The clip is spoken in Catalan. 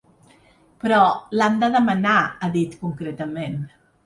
Però l’han de demanar, ha dit, concretament.